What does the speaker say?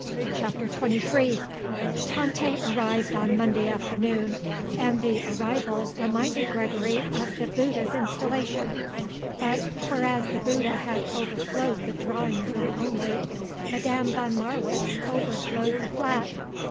CHAPTER XXIII Tante arrived on Monday afternoon and the arrival reminded Gregory of the Bouddha's installation; but, whereas the Bouddha had overflowed the drawing room only, Madame von Marwitz overflowed the flat.